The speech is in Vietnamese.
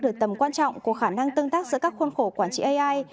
được tầm quan trọng của khả năng tương tác giữa các khuôn khổ quản trị ai